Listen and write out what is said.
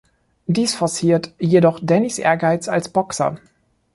Dies forciert jedoch Dannys Ehrgeiz als Boxer.